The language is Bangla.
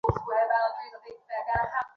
সেটা অনেক আগের কথা।